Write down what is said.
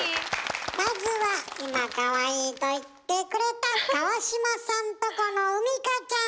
まずは今「かわいい」と言ってくれた川島さんとこの海荷ちゃん。